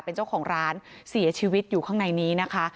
เป็นเจ้าของร้านเสียชีวิตอยู่ข้างในนี้นะคะ